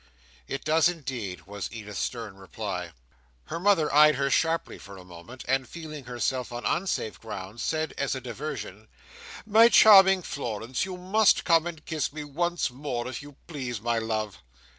"It does, indeed," was Edith's stern reply. Her mother eyed her sharply for a moment, and feeling herself on unsafe ground, said, as a diversion: "My charming Florence, you must come and kiss me once more, if you please, my love."